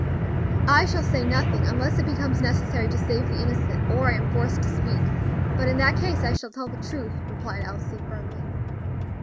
"I shall say nothing, unless it becomes necessary to save the innocent, or I am forced to speak; but in that case I shall tell the truth," replied Elsie, firmly.